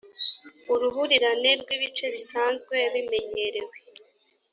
uruhurirane rw’ ibice bisanzwe bimenyerewe.